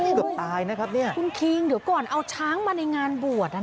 คุณคิงเดี๋ยวก่อนเอาช้างมาในงานบวชนะครับ